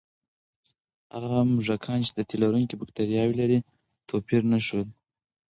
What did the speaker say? هغه موږکان چې د تیلرونکي بکتریاوې لري، توپیر نه ښود.